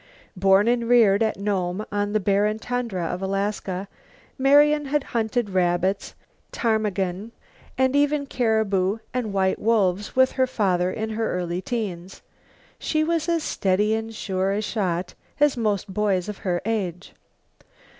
Born and reared at Nome on the barren tundra of Alaska, Marian had hunted rabbits, ptarmigan and even caribou and white wolves with her father in her early teens. She was as steady and sure a shot as most boys of her age.